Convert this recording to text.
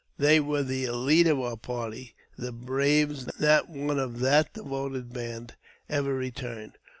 They were the elite of our party, the braves des braves. Not one of that devoted band ever returned.